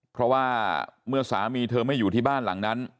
เพราะว่าเมื่อสามีเธอไม่อยู่ที่บ้านหลังนั้น